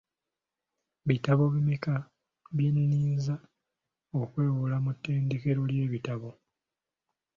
Bitabo bimeka bye ninza okwewola mu tterekero ly'ebitabo?